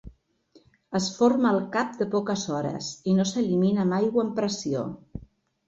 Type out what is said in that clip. Es forma al cap de poques hores i no s'elimina amb aigua amb pressió.